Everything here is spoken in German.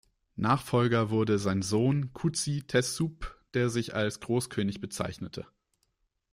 Nachfolger wurde sein Sohn Kuzi-Teššup, der sich als Großkönig bezeichnete.